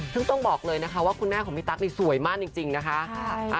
ซึ่งต้องบอกเลยนะคะว่าคุณแม่ของพี่ตั๊กนี่สวยมากจริงนะคะ